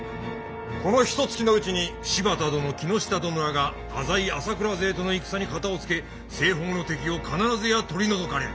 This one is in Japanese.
このひとつきのうちに柴田殿木下殿らが浅井朝倉勢との戦に片をつけ西方の敵を必ずや取り除かれる。